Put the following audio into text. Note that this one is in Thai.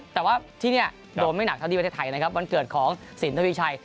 แต่ว่าที่นี่โดนไม่หนักเท่าที่ประเทศไทยนะครับวันเกิดของสินทวีชัย